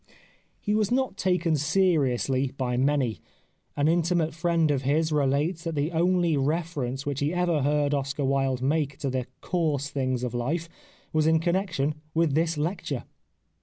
He was not taken seriously by many. An intimate friend of his relates that the only re ference which he ever heard Oscar Wilde make to the coarse things of life was in connection with this lecture.